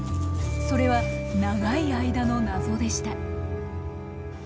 それは長い間の謎でした。